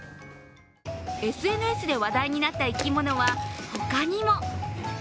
ＳＮＳで話題になった生き物は他にも。